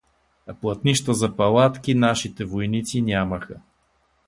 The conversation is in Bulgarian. А платнища за палатки нашите войници нямаха.